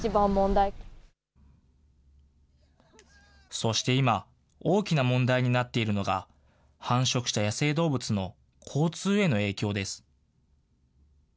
そして今、大きな問題になっているのが、繁殖した野生動物の交通への影響です。